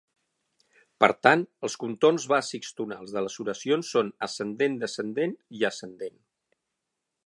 Per tant, els contorns bàsics tonals de les oracions són ascendent-descendent i ascendent.